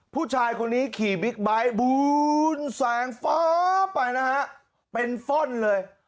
ผู้ชายคนนี้ขี่บิ๊กไบท์บูนแสงฟ้าไปนะฮะเป็นฟ่อนเลย